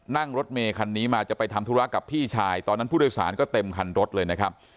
นั่งรถเมคันนี้มาจะไปทำธุระกับพี่ชายตอนนั้นผู้โดยสารก็เต็มคันรถเลยนะครับ